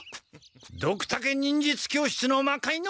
ドクタケ忍術教室の魔界之